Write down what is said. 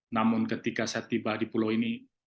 namun ketika saya tiba di pulau ini